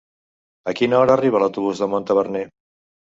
A quina hora arriba l'autobús de Montaverner?